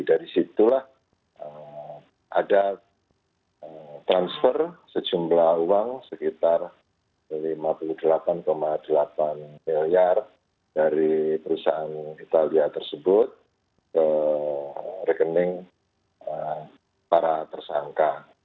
dari situlah ada transfer sejumlah uang sekitar lima puluh delapan delapan miliar dari perusahaan italia tersebut ke rekening para tersangka